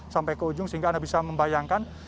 sampai ke ujung sehingga anda bisa membayangkan